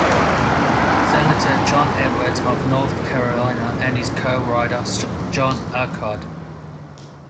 Senator John Edwards of North Carolina and his co-writer, John Auchard.